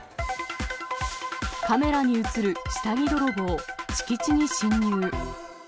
カメラに写る下着泥棒、敷地に侵入。